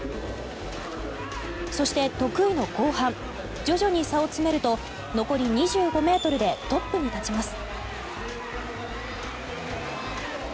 そして得意の後半徐々に差を詰めると残り２５ｍでトップに立ちます。